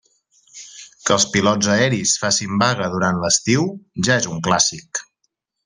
Que els pilots aeris facin vaga durant l'estiu, ja és un clàssic.